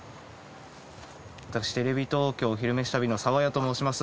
私テレビ東京「昼めし旅」の澤谷と申します。